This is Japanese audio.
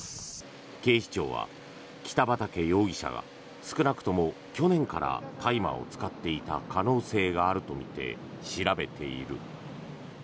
警視庁は、北畠容疑者が少なくとも去年から大麻を使っていた可能性があるとみて調べている。